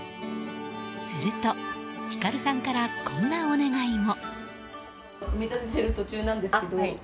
すると、ひかるさんからこんなお願いも。